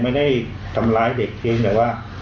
ไม่ได้ตำร้ายเด็กกัน